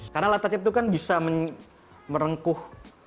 karena layar tancap itu kan bisa merengkuh